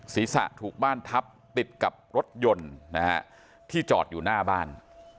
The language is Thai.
ศีรษะถูกบ้านทับติดกับรถยนต์นะฮะที่จอดอยู่หน้าบ้าน